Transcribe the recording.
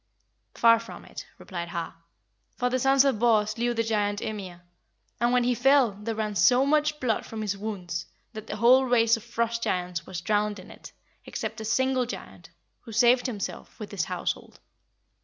"Far from it," replied Har; "for the sons of Bor slew the giant Ymir, and when he fell there ran so much blood from his wounds, that the whole race of Frost giants was drowned in it, except a single giant, who saved himself with his household.